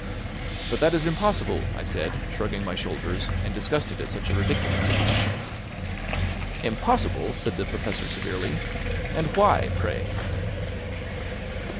"But that is impossible," I said shrugging my shoulders, and disgusted at such a ridiculous supposition. "Impossible?" said the Professor severely; "and why, pray?"